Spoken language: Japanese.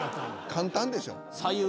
簡単でしょ。